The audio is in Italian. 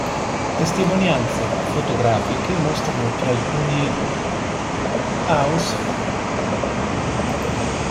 Testimonianze fotografiche mostrano che alcuni "Ausf.